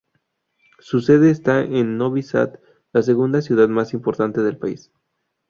Su sede está en Novi Sad, la segunda ciudad más importante del país.